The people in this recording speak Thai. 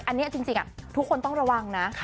อันนี้จริงทุกคนต้องระวังนะ